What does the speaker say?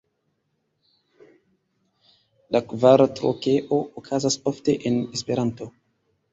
La kvartrokeo okazas ofte en Esperanto.